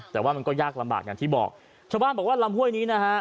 แต่ว่ามันก็ยากลำบากอย่างที่บอกชาวบ้านบอกว่าลำห้วยนี้นะฮะ